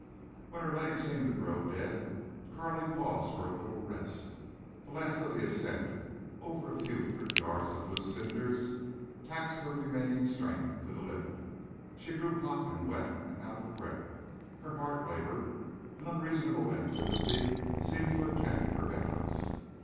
When her legs seemed to grow dead Carley paused for a little rest. The last of the ascent, over a few hundred yards of looser cinders, taxed her remaining strength to the limit. She grew hot and wet and out of breath. Her heart labored. An unreasonable antipathy seemed to attend her efforts.